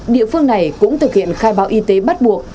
địa phương này cũng thực hiện khai báo y tế bắt buộc